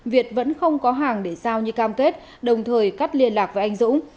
việt vẫn không có hàng để giao như cam kết đồng thời cắt liên lạc với anh dũng